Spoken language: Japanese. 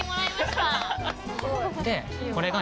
でこれが。